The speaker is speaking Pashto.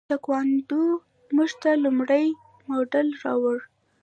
تکواندو موږ ته لومړنی مډال راوړ.